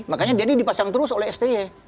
makanya dendy dipasang terus oleh stj